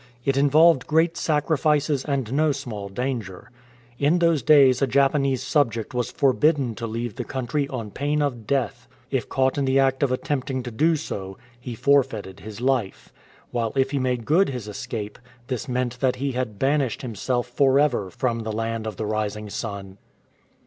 It involved great sacrifices and no small danger. In those days a Japanese subject was forbidden to leave the country on pain of death. If caught in the act of attempting to do so, he forfeited his life; while if he made good his escape, this meant that he had banished himself for ever from the " Land of the Rising Sun."